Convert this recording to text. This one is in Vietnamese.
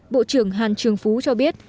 bộ trưởng hàn trường phú cho biết